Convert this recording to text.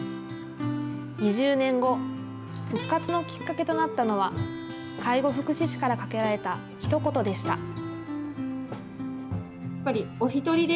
２０年後、復活のきっかけとなったのは、介護福祉士からかけられたひと言でした。